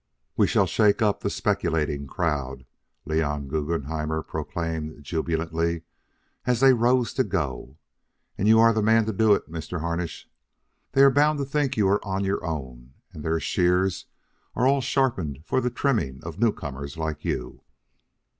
"We'll shake up the speculating crowd," Leon Guggenhammer proclaimed jubilantly, as they rose to go. "And you are the man to do it, Mr. Harnish. They are bound to think you are on your own, and their shears are all sharpened for the trimming of newcomers like you."